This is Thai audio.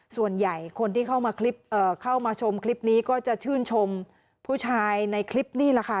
ส่วนใหญ่คนที่เข้ามาชมคลิปนี้ก็จะชื่นชมผู้ชายในคลิปนี่แหละค่ะ